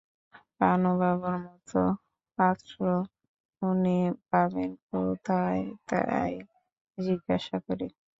পানুবাবুর মতো পাত্র উনি পাবেন কোথায় তাই জিজ্ঞাসা করি।